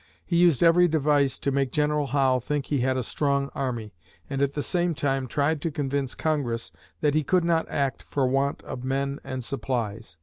He used every device to make General Howe think he had a strong army, and at the same time, tried to convince Congress that he could not act for want of men and supplies.